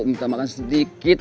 minta makan sedikit